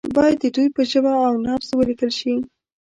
باید د دوی په ژبه او نبض ولیکل شي.